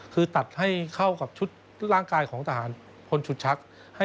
คือตัดให้เข้ากับชุดร่างกายของทหารพลชุดชัก